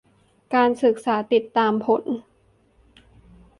การศึกษาติดตามผล